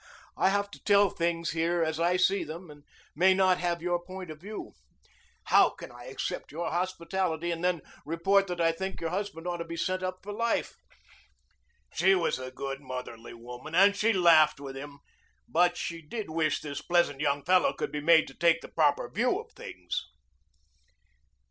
"I have to tell things here as I see them, and may not have your point of view. How can I accept your hospitality and then report that I think your husband ought to be sent up for life?" She was a good, motherly woman and she laughed with him. But she did wish this pleasant young fellow could be made to take the proper view of things.